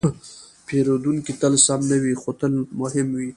پیرودونکی تل سم نه وي، خو تل مهم وي.